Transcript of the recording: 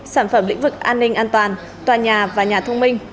sản phẩm lĩnh vực an ninh an toàn tòa nhà và nhà thông minh